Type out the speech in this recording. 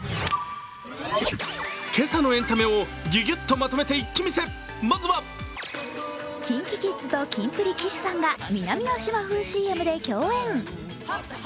今朝のエンタメをぎゅぎゅっとまとめて一気見せまずはＫｉｎＫｉＫｉｄｓとキンプリ・岸さんが南の島風ＣＭで共演。